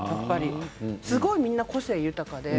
すごくみんな個性豊かで。